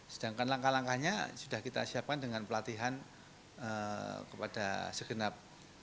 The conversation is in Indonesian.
sedangkan langkah langkahnya sudah kita siapkan dengan pelatihan kepada segenap